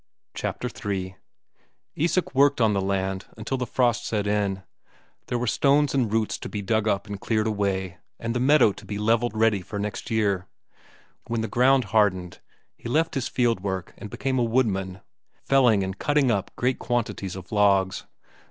Chapter II Isak worked on the land until the frost act in; there were stones and roots to be dug up and cleared away, and the meadow to be levelled ready for next year. When the ground hardened, he left his field work and became a woodman, felling and cutting up great quantities of logs.